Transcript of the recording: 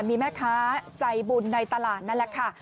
มีแม่ค้าใจบุญในตลาดนั่นแหละค่ะ